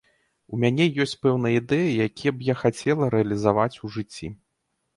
У мяне ёсць пэўныя ідэі, якія б я хацела рэалізаваць у жыцці.